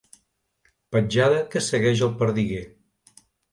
Petjada que segueix el perdiguer.